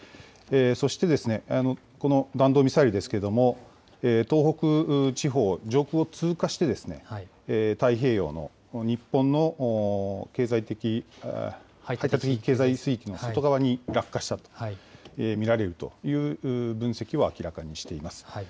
そしてこの弾道ミサイルですけれども、東北地方上空を通過して、太平洋の日本の排他的経済水域の外側に落下したと見られるという分析を明らかにしています。